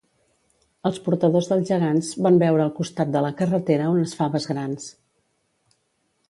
Els portadors dels gegants van veure al costat de la carretera unes faves grans